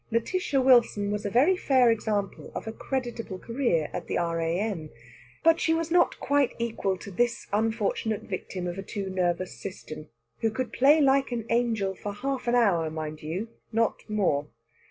Lætitia Wilson was a very fair example of a creditable career at the R.A.M. But she was not quite equal to this unfortunate victim of a too nervous system, who could play like an angel for half an hour, mind you not more.